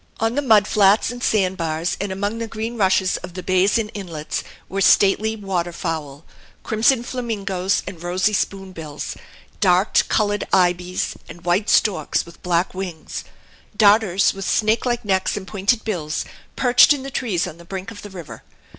On the mud flats and sandbars, and among the green rushes of the bays and inlets, were stately water fowl; crimson flamingoes and rosy spoonbills, dark colored ibis and white storks with black wings. Darters, with snakelike necks and pointed bills, perched in the trees on the brink of the river.